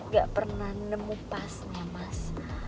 gak pernah nemu pasnya mas